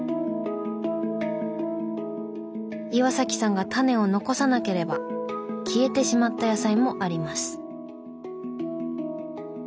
岩さんがタネを残さなければ消えてしまった野菜もあります。